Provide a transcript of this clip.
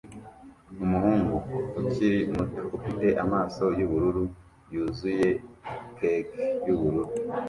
Umuhungu ukiri muto ufite amaso yubururu yuzuye cake yubururu